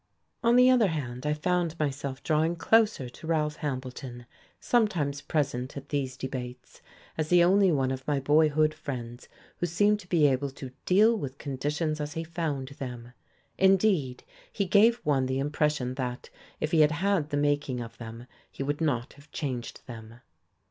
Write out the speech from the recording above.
On the other hand I found myself drawing closer to Ralph Hambleton, sometimes present at these debates, as the only one of my boyhood friends who seemed to be able to "deal with conditions as he found them." Indeed, he gave one the impression that, if he had had the making of them, he would not have changed them.